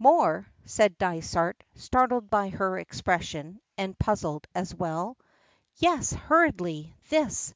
"More?" says Dysart startled by her expression, and puzzled as well. "Yes!" hurriedly. "This!"